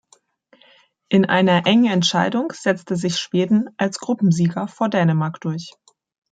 In einer engen Entscheidung setzte sich Schweden als Gruppensieger vor Dänemark durch.